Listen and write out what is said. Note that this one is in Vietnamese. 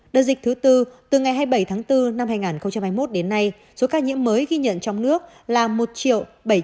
đợt dịch thứ bốn từ ngày hai mươi bảy tháng bốn năm hai nghìn hai mươi một đến nay số ca nhiễm mới ghi nhận trong nước là một bảy trăm bảy mươi ba một trăm bảy mươi ca